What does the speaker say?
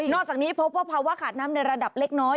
อกจากนี้พบว่าภาวะขาดน้ำในระดับเล็กน้อย